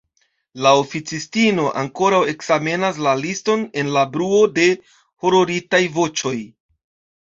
La oficistino ankoraŭ ekzamenas la liston en la bruo de hororitaj voĉoj.